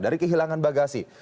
dari kehilangan bagasi